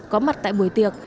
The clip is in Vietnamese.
có mặt tại buổi tiệc